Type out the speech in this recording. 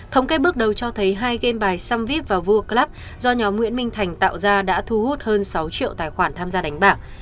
thống kê bước đầu cho thấy hai game bài suvip và vua club do nhóm nguyễn minh thành tạo ra đã thu hút hơn sáu triệu tài khoản tham gia đánh bạc